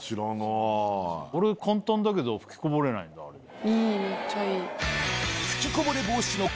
あれ簡単だけどふきこぼれないんだあれで。